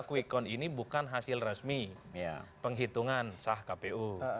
quick count ini bukan hasil resmi penghitungan sah kpu